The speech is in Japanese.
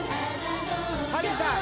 ハリーさん